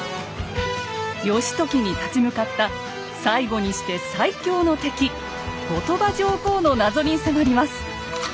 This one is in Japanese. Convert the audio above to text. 義時に立ち向かった最後にして最強の敵後鳥羽上皇の謎に迫ります。